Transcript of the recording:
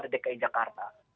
bukan dki jakarta